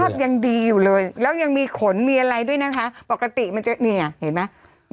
ยังดีอยู่เลยแล้วยังมีขนมีอะไรด้วยนะคะปกติมันจะเนี่ยเห็นไหม